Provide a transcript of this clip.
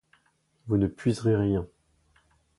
Vous ne puiserez rien.